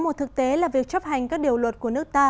một thực tế là việc chấp hành các điều luật của nước ta